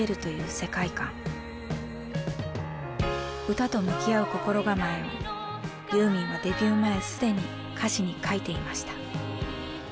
歌と向き合う心構えをユーミンはデビュー前すでに歌詞に描いていました。